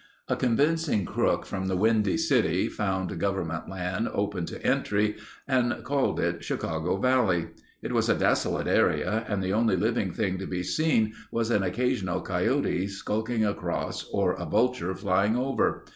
A convincing crook from the Windy City found government land open to entry and called it Chicago Valley. It was a desolate area and the only living thing to be seen was an occasional coyote skulking across or a vulture flying over.